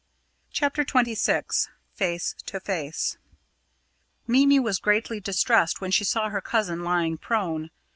CHAPTER XXVI FACE TO FACE Mimi was greatly distressed when she saw her cousin lying prone.